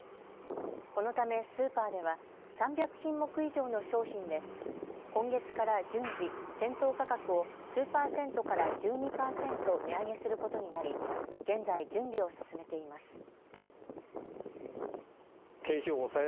このためスーパーでは３００品目以上の商品で今月から順次、店頭価格を数％から１２％値上げすることになり現在準備を進めています。